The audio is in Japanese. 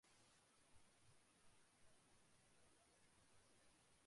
通り抜けられると思ったら行き止まりだった